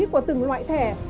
của từng loại thẻ